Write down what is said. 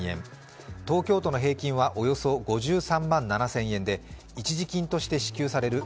東京都の平均はおよそ５３万７０００円で一時金として支給される